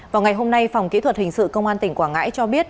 vào ngày hôm nay phòng kỹ thuật hình sự công an tỉnh quảng ngãi cho biết